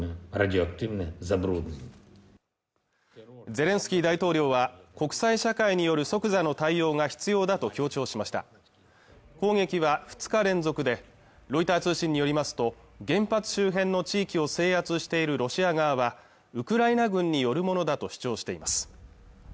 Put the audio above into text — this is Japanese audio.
ゼレンスキー大統領は国際社会による即座の対応が必要だと強調しました攻撃は２日連続でロイター通信によりますと原発周辺の地域を制圧しているロシア側はウクライナ軍によるものだと主張しています